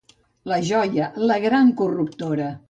—La joia, la gran corruptora!